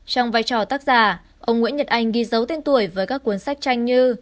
trong vai trò tác giả ông nguyễn nhật anh ghi dấu tên tuổi với các cuốn sách tranh như